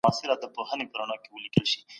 هغه تل په خپلو کارونو کي د حق پلوي کوله.